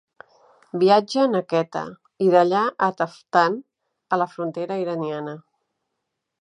Viatgen a Quetta, i d'allà a Taftan, a la frontera iraniana.